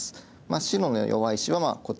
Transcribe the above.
白の弱い石はこちらとこちら。